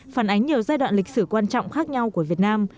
phản ánh nhiều giai đoạn lịch sử quan trọng khác nhau của việt nam